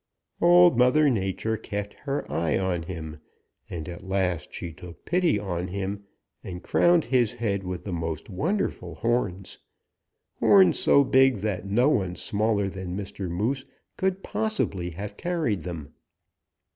Old Mother Nature kept her eye on him and at last she took pity on him and crowned his head with the most wonderful horns, horns so big that no one smaller than Mr. Moose could possibly have carried them.